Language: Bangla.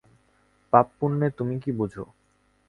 পাপ-পুণ্যের তুমি কী বুঝ?